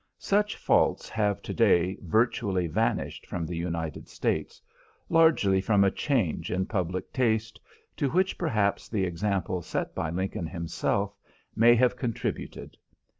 Such faults have to day virtually vanished from the United States, largely from a change in public taste, to which perhaps the example set by Lincoln himself may have contributed.